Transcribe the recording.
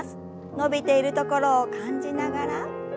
伸びているところを感じながら。